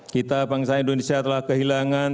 kita bangsa indonesia telah kehilangan